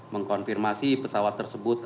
mengkonfirmasi pesawat tersebut